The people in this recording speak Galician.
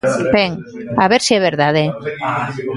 Ben, a ver se é verdade.